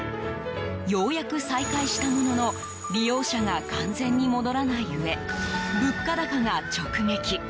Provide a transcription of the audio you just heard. ようやく再開したものの利用者が完全に戻らないうえ物価高が直撃。